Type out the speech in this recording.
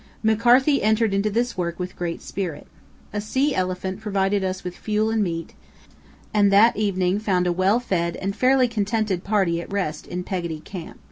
McCarthy entered into this work with great spirit. A sea elephant provided us with fuel and meat, and that evening found a well fed and fairly contented party at rest in Peggotty Camp.